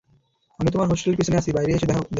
আমি তোমার হোস্টেলের পিছনে আছি বাইরে এসে দেখো।